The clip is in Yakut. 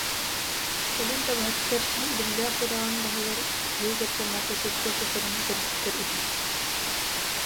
Кэлин табаһыттар Биллээх үрэҕин баһыгар киһи дьардьамата сиргэ сытарын көрбүттэр үһү